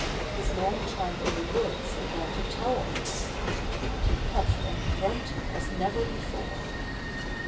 His long tramp in the woods began to tell on him, and he puffed and grunted as never before.